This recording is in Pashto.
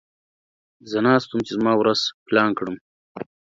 زه ناست وم چې زما ورځ پلان کړم.